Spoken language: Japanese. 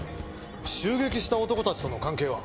襲撃した男たちとの関係は？